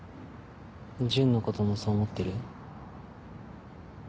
純のこともそう思ってる？